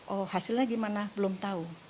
oh hasilnya gimana belum tahu